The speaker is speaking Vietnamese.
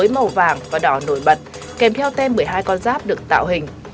màu vàng và đỏ nổi bật kèm theo tem một mươi hai con giáp được tạo hình